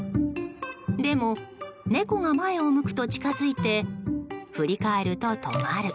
でも猫が前を向くと近づいて振り返ると止まる。